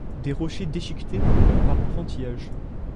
Des rochers déchiquetés comme par enfantillage.